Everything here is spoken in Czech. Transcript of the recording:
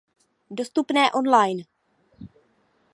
Dostupné online.